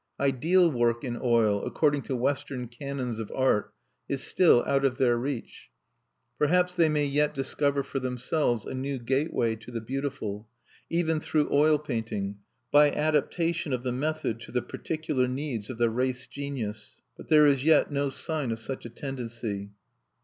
Ideal work in oil, according to Western canons of art, is still out of their reach. Perhaps they may yet discover for themselves a new gateway to the beautiful, even through oil painting, by adaptation of the method to the particular needs of the race genius; but there is yet no sign of such a tendency.